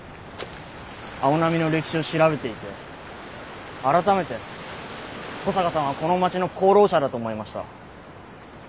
青波の歴史を調べていて改めて保坂さんはこの町の功労者だと思いました。